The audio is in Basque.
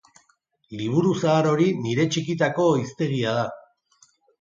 Liburu zahar hori nire txikitako hiztegia da.